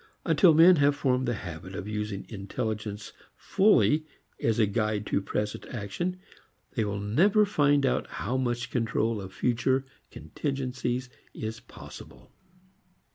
Until men have formed the habit of using intelligence fully as a guide to present action they will never find out how much control of future contingencies is possible.